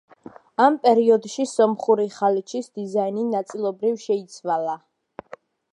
ამ პერიოდში სომხური ხალიჩის დიზაინი ნაწილობრივ შეიცვალა.